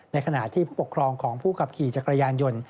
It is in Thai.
ขณะที่ผู้ปกครองของผู้ขับขี่จักรยานยนต์